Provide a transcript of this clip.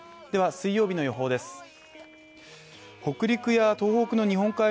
では水曜日の予報です。